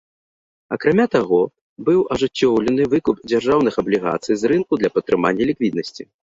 Акрамя таго, быў ажыццёўлены выкуп дзяржаўных аблігацый з рынку для падтрымання ліквіднасці.